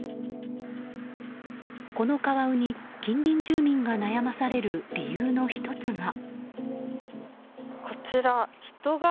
このカワウに、近隣住民が悩まされる理由の１つが。